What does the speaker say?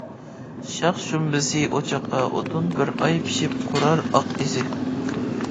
شاخ-شۇمبىسى ئوچاققا ئوتۇن بىر ئاي پىشىپ قۇرار ئاق ئىزى.